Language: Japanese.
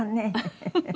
フフフフ。